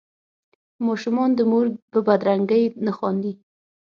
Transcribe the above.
ماشومان د مور په بدرنګۍ نه خاندي.